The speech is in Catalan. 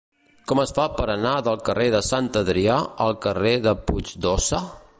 Com es fa per anar del carrer de Sant Adrià al carrer de Puig d'Óssa?